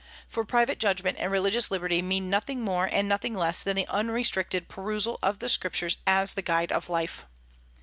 for private judgment and religious liberty mean nothing more and nothing less than the unrestricted perusal of the Scriptures as the guide of life.